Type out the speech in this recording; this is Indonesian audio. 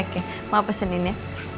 oke oke mau pasangin ya